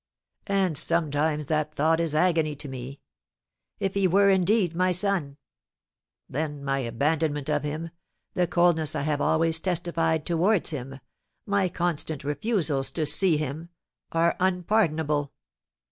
And sometimes that thought is agony to me! If he were indeed my son! Then my abandonment of him, the coldness I have always testified towards him, my constant refusals to see him, are unpardonable.